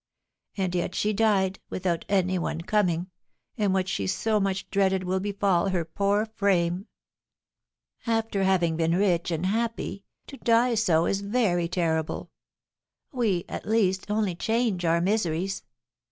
And yet she died without any one coming, and what she so much dreaded will befall her poor frame. After having been rich and happy, to die so is very terrible! We, at least, only change our miseries!"